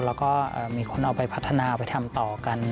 แล้วก็มีคนเอาไปพัฒนาไปทำต่อกัน